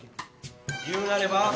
言うなれば。